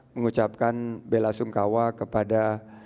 mengucapkan bela sungkawa kepada